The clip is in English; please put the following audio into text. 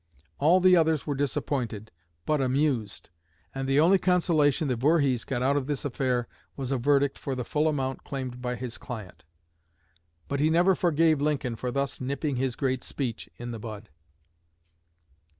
All the others were disappointed, but amused, and the only consolation that Voorhees got out of this affair was a verdict for the full amount claimed by his client. But he never forgave Lincoln for thus "nipping" his great speech "in the bud."